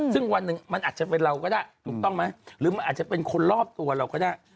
ซึ่งวันหนึ่งมันอาจจะเป็นเราก็ได้ถูกต้องไหมหรือมันอาจจะเป็นคนรอบตัวเราก็ได้